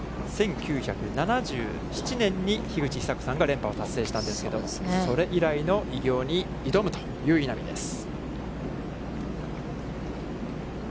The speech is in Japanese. １９７７年に樋口久子さんが連覇を達成したんですけれども、それ以来の偉業に挑むという稲見です。